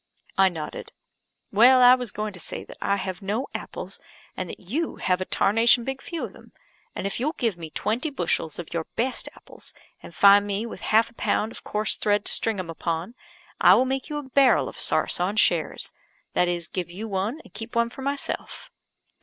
I nodded. "Well, I was going to say that I have no apples, and that you have a tarnation big few of them; and if you'll give me twenty bushels of your best apples, and find me with half a pound of coarse thread to string them upon, I will make you a barrel of sarce on shares that is, give you one, and keep one for myself."